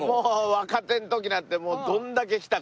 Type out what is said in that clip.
若手の時なんてもうどれだけ来たか。